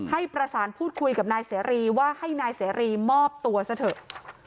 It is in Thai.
ให้ประสานพูดคุยกับนายเสรีว่าให้นายเสรีมอบตัวซะเถอะ